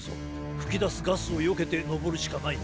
ふきだすガスをよけてのぼるしかないな。